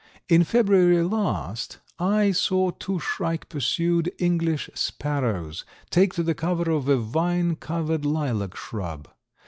In February last I saw two shrike pursued English sparrows take to the cover of a vine covered lilac shrub.